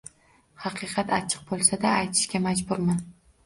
Haqiqat achchiq bo`lsa-da, aytishga majburman